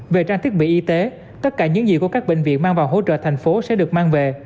về trang thiết bị y tế tất cả những gì của các bệnh viện mang vào hỗ trợ thành phố sẽ được mang về